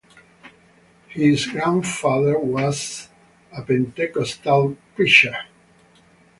His grandfather was a Pentecostal preacher.